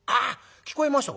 聞こえましたか？」。